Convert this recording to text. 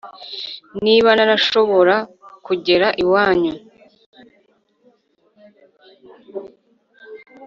niba narashobora kugera iwanyu